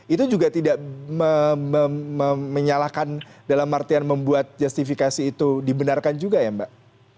itu juga tidak menyalahkan dalam artian membuat justifikasi itu dibenarkan juga ya mbak